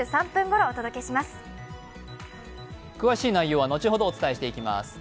詳しい内容は後ほどお伝えします。